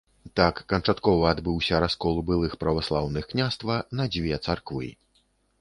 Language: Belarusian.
Так канчаткова адбыўся раскол былых праваслаўных княства на дзве царквы.